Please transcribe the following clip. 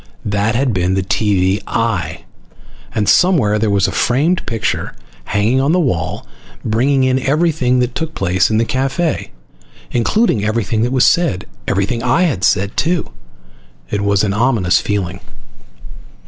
That had been the TV "eye," and somewhere there was a framed picture hanging on the wall, bringing in everything that took place in the cafe, including everything that was said. Everything I had said, too. It was an ominous feeling.